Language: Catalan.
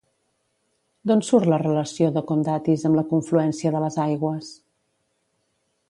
D'on surt la relació de Condatis amb la confluència de les aigües?